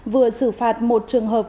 vừa xử phạt một trường hợp